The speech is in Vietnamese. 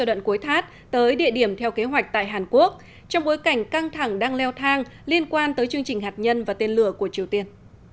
đoạn cuối thát tới địa điểm theo kế hoạch tại hàn quốc trong bối cảnh căng thẳng đang leo thang liên quan tới chương trình hạt nhân và tên lửa của triều tiên